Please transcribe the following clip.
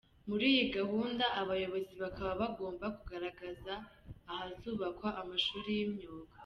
Muri iyi gahunda abayobozi bakaba bagomba kugaragaza ahazubakwa amashuri y’imyuga.